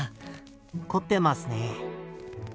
凝ってますね。